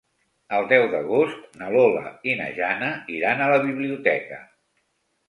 El deu d'agost na Lola i na Jana iran a la biblioteca.